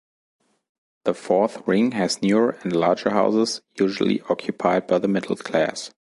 The fourth ring has newer and larger houses usually occupied by the middle-class.